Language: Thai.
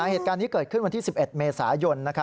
เหตุการณ์นี้เกิดขึ้นวันที่๑๑เมษายน